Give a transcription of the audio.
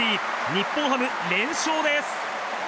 日本ハム、連勝です。